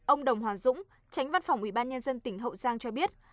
ông đồng hoàng dũng tránh văn phòng ubnd tỉnh hậu giang cho biết